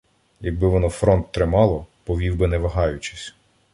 Якби воно фронт тримало, повів би не вагаючись.